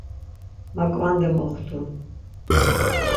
Maǩvande moxtu.